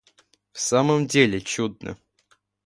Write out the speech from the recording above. В самом деле чудно!